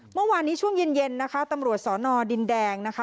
เมื่อวานนี้ช่วงเย็นเย็นนะคะตำรวจสอนอดินแดงนะคะ